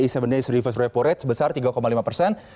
sebesar tiga lima persen